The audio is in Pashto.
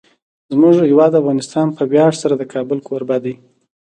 زموږ هیواد افغانستان په ویاړ سره د کابل کوربه دی.